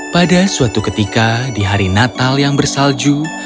pada suatu ketika di hari natal yang bersalju